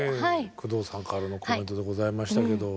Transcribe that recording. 宮藤さんからのコメントでございましたけど。